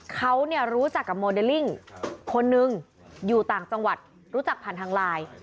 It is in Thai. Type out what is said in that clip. เขาเนี่ยรู้จักกับโมเดลลิ่งคนนึงอยู่ต่างจังหวัดรู้จักผ่านทางไลน์